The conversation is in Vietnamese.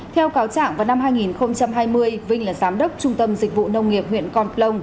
theo cáo trạng vào năm hai nghìn hai mươi vinh là giám đốc trung tâm dịch vụ nông nghiệp huyện con plông